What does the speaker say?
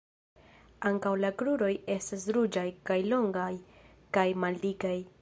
Ankaŭ la kruroj estas ruĝaj kaj longaj kaj maldikaj.